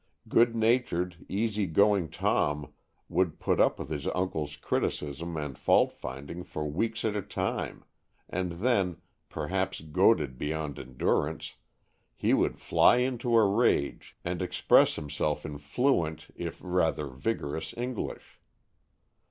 Good natured, easy going Tom would put up with his uncle's criticism and fault finding for weeks at a time, and then, perhaps goaded beyond endurance, he would fly into a rage and express himself in fluent if rather vigorous English.